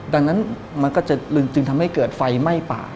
ดังนั้นมันก็จะจึงทำให้เกิดไฟไหม้ป่า